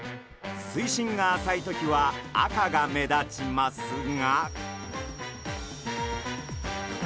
水深が浅い時は赤が目立ちますが。